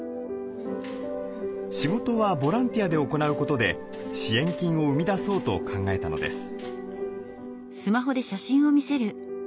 仕事はボランティアで行うことで支援金を生み出そうと考えたのです。